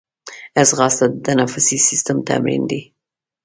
ځغاسته د تنفسي سیستم تمرین دی